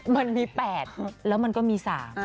มันมี๘แล้วมันก็มี๓